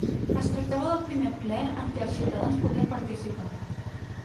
Es tractava del primer ple en què els ciutadans podien participar.